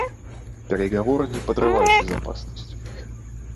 Переговоры не подрывают безопасность.